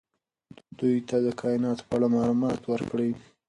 دوی ته د کائناتو په اړه معلومات ورکړئ.